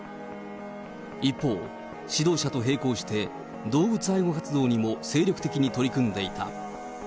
一方、指導者と並行して動物愛護活動にも精力的に取り組んでいた。